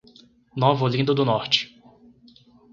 Nova Olinda do Norte